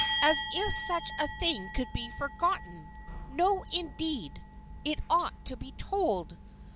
" As if such a thing could be forgotten ! No indeed ! It ought to be told.